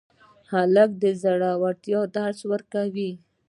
هلک د زړورتیا درس ورکوي.